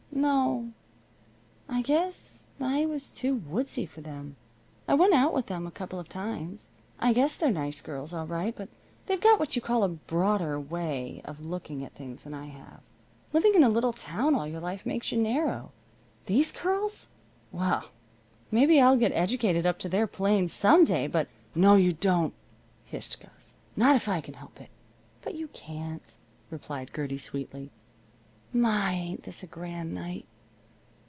No. I guess I was too woodsy for them. I went out with them a couple of times. I guess they're nice girls all right; but they've got what you call a broader way of looking at things than I have. Living in a little town all your life makes you narrow. These girls! Well, maybe I'll get educated up to their plane some day, but " "No, you don't!" hissed Gus. "Not if I can help it." "But you can't," replied Gertie, sweetly. "My, ain't this a grand night!